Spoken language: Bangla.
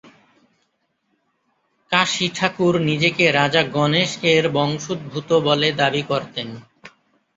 কাশী ঠাকুর নিজেকে রাজা গণেশ-এর বংশোদ্ভূত বলে দাবি করতেন।